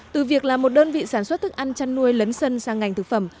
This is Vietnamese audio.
từ việc là một đơn vị sản xuất thức ăn chăn nuôi lấn sân sang ngành thực phẩm